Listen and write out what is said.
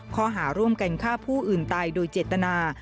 ข้อหาร่วมกันฆ่าผู้อื่นตายโดยเจตนา